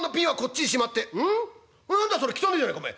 何だそれ汚えじゃねえかお前。